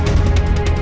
raja dia kenapa